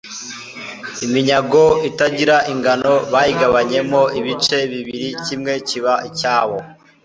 iminyago itagira ingano bayigabanyamo ibice bibiri bingana, kimwe kiba icyabo